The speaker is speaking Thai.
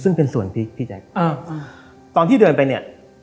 ซึ่งเป็นส่วนพี่พี่ใจอ๋ออืมตอนที่เดินไปเนี้ย